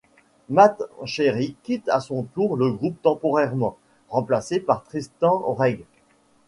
Matt Cherry quitte à son tour le groupe temporairement, remplacé par Tristan Wraight.